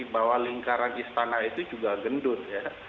bahwa lingkaran istana itu juga gendut ya